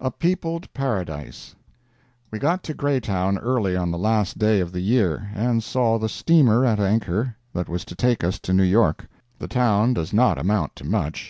A PEOPLED PARADISE We got to Greytown early on the last day of the year, and saw the steamer at anchor that was to take us to New York. The town does not amount to much.